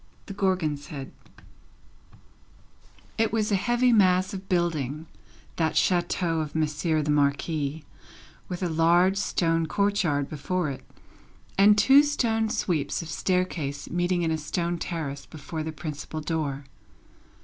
The Gorgon's Head It was a heavy mass of building, that chateau of Monsieur the Marquis, with a large stone courtyard before it, and two stone sweeps of staircase meeting in a stone terrace before the principal door.